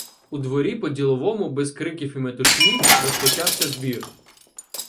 У дворі по-діловому, без криків і метушні, розпочався збір.